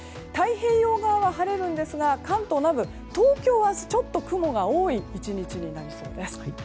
太平洋側は晴れるんですが関東南部、東京は雲が多い１日になりそうです。